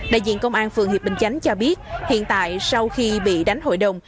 đại diện công an phường hiệp bình chánh cho biết hiện tại sau khi bị đánh hội đồng